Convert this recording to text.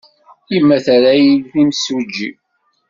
Yemma terra-iyi d imsujji.